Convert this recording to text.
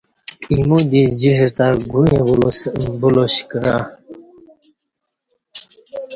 ایمودی جݜٹ تہ گوعی بولیش کعیہ